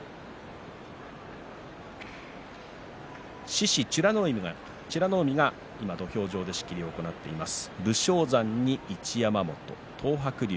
獅司と美ノ海が今土俵上で仕切りを行っています。